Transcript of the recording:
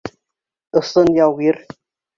Ысын яугир.